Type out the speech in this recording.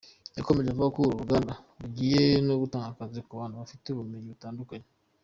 Yakomeje avuga ko uru ruganda rugiye no gutanga akazi ku bantu bafite ubumenyi butandukanye.